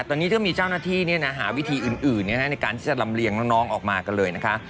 ตอนนี้ก็มีเจ้าหน้าที่หาวิธีอื่นในการที่จะลำเลียงน้องออกมากันเลยนะคะ